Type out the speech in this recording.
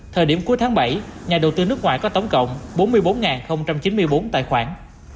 thời điểm cuối tháng bảy nhà đầu tư nước ngoài có tổng cộng bốn mươi bốn chín mươi bốn tài khoản